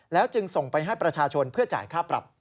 จึงส่งไปให้ประชาชนเพื่อจ่ายค่าปรับ